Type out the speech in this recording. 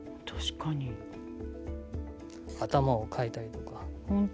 頭をかいたりとか。